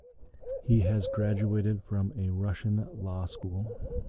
He has graduated from a Russian law school.